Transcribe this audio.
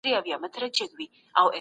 سازمانونه څنګه سیاسي بندیان ازادوي کوي؟